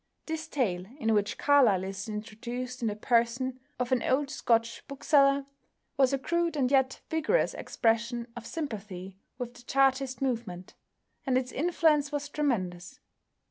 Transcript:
This tale, in which Carlyle is introduced in the person of an old Scotch bookseller, was a crude and yet vigorous expression of sympathy with the Chartist movement, and its influence was tremendous.